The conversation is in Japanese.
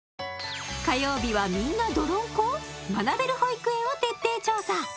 火曜日はみんなどろんこ学べる保育園を徹底調査